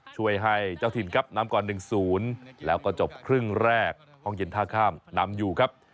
ช่วยให้เจ้าถิ่นครับนำก่อน๑๐แล้วก็จบครึ่งแรกห้องเย็นท่าข้ามนำอยู่ครับ